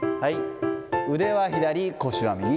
腕は左、腰は右。